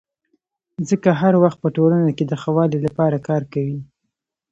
خلک هر وخت په ټولنه کي د ښه والي لپاره کار کوي.